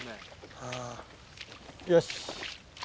よし。